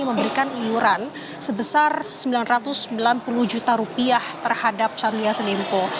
memberikan iuran sebesar rp sembilan ratus sembilan puluh juta rupiah terhadap syahrul yassin limpo